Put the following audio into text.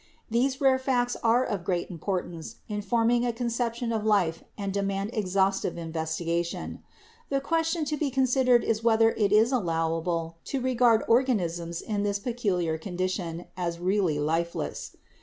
These rare facts are of great importance in forming a con ception of life and demand exhaustive investigation. The question to be considered is whether it is allowable to re gard organisms in this peculiar condition as really lifeless.